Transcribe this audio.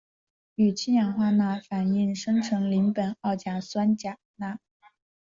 与氢氧化钠反应生成邻苯二甲酸钾钠。